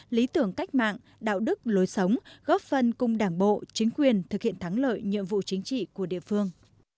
lý tưởng cách mạng đạo đức lối sống góp phần cùng đảng bộ chính quyền thực hiện thắng lợi nhiệm vụ chính trị của địa phương